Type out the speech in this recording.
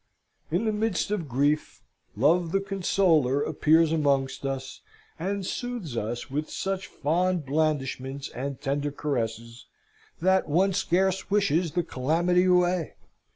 In the midst of grief, Love the consoler appears amongst us, and soothes us with such fond blandishments and tender caresses, that one scarce wishes the calamity away.